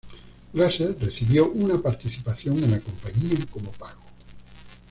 Glaser recibió una participación en la compañía como pago.